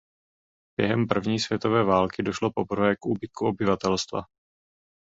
Během první světové války došlo poprvé k úbytku obyvatelstva.